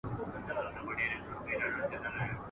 ډېر ماهر وو په کتار کي د سیالانو ..